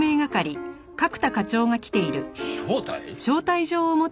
招待？